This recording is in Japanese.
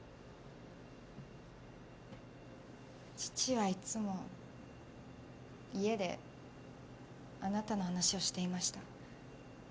父はいつも家であなたの話をしていました。